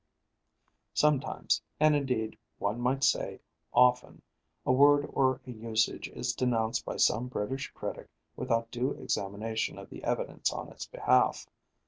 Sometimes and indeed one might say often a word or a usage is denounced by some British critic without due examination of the evidence on its behalf.